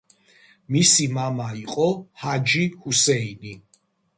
მისი მამა იყო ჰაჯი ჰუსეინი.